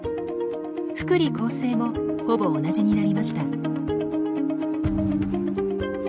福利厚生もほぼ同じになりました。